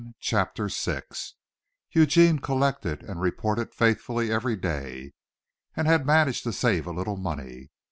CHAPTER VI Eugene collected and reported faithfully every day, and had managed to save a little money.